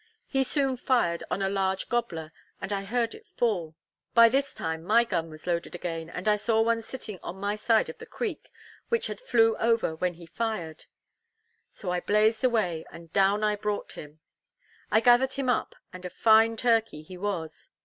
He soon fired on a large gobler, and I heard it fall. By this time my gun was loaded again, and I saw one sitting on my side of the creek, which had flew over when he fired; so I blazed away, and down I brought him. I gathered him up, and a fine turkey he was.